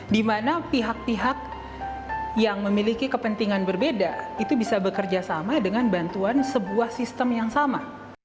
di mana pihak pihak yang memiliki kepentingan berbeda itu bisa bekerja sama dengan bantuan sebuah sistem yang sama